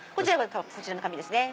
こちらの花瓶ですね。